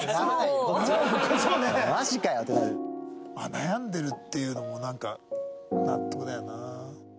悩んでるっていうのもなんか納得だよな。